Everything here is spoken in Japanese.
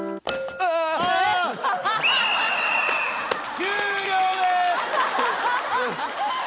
終了です！